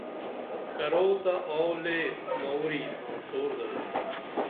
کروع تہ آو لے موری آں سور درو۔